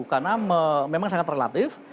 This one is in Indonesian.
karena memang sangat relatif